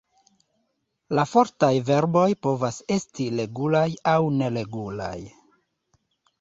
La fortaj verboj povas esti regulaj aŭ neregulaj.